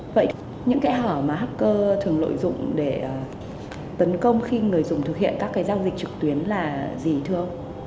vậy những hỏi mà hacker thường lội dụng để tấn công khi người dùng thực hiện các giao dịch trực tuyến là gì thưa ông